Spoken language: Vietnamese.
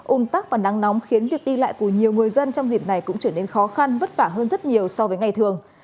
ún tắc và nắng nóng khiến việc đi lại của nhiều người dân trong dịp này cũng trở nên khó khăn vất vả hơn rất nhiều so với ngày thường